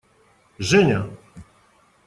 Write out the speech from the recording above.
Женя!